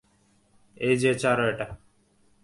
এইযে, ছাড় এটা।